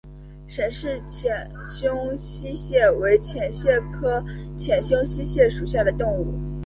沈氏浅胸溪蟹为溪蟹科浅胸溪蟹属的动物。